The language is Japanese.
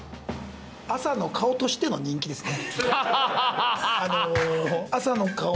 朝の顔としての人気ですね。